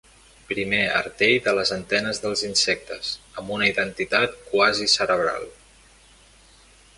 Primer artell de les antenes dels insectes, amb una identitat quasi cerebral.